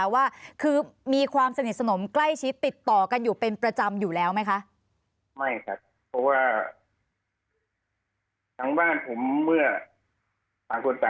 ว่าคือมีความสนิทสนมใกล้ชิดติดต่อกันอยู่เป็นประจำอยู่แล้วไหมคะ